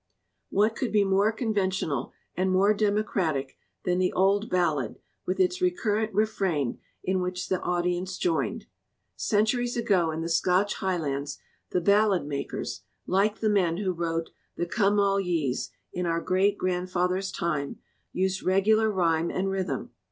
What could be more conventional and more democratic 282 LET POETRY BE FREE than the old ballad, with its recurrent refrain in which the audience joined? Centuries ago in the Scotch Highlands the ballad makers, like the men who wrote the 'Come all ye's' in our great grandfather's time, used regular rhyme and rhythm.